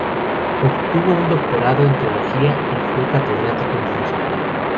Obtuvo un doctorado en Teología y fue catedrático en Filosofía.